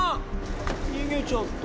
逃げちゃった。